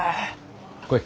来い。